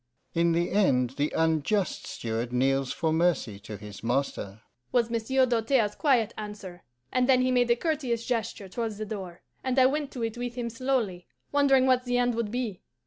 'In the end the unjust steward kneels for mercy to his master,' was Monsieur Doltaire's quiet answer; and then he made a courteous gesture towards the door, and I went to it with him slowly, wondering what the end would be.